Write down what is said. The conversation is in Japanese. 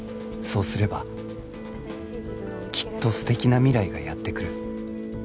そうすればきっと素敵な未来がやって来る